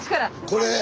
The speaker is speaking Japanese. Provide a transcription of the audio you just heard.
これ。